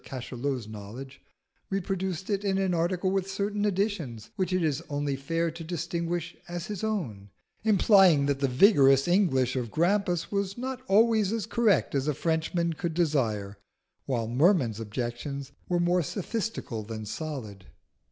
Cachalot's knowledge, reproduced it in an article with certain additions, which it is only fair to distinguish as his own, implying that the vigorous English of Grampus was not always as correct as a Frenchman could desire, while Merman's objections were more sophistical than solid.